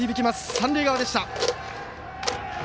三塁側でした。